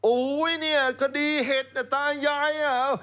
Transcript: อุ๊ยนี่คดีเหตุตายายอ่าว